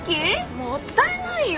もったいないよ！